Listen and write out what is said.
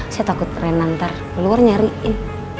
saya takut rena ntar keluar nyariin